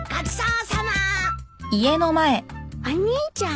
お兄ちゃん。